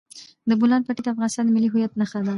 د بولان پټي د افغانستان د ملي هویت نښه ده.